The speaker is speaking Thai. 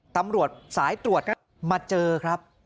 ตำรวจสายตรวจก็มาเจอครับ